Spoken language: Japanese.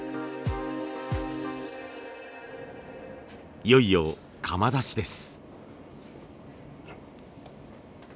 いよいよ窯出しです。